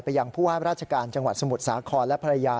ยังผู้ว่าราชการจังหวัดสมุทรสาครและภรรยา